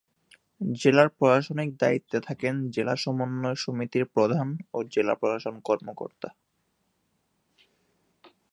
জেলার প্রশাসনিক দায়িত্বে থাকেন জেলা সমন্বয় সমিতির প্রধান ও জেলা প্রশাসন কর্মকর্তা।